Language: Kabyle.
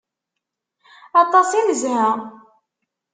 Aṭas i nezha.